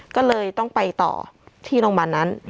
ก็เลยต้องไปต่อที่โรงพยาบาลนั้น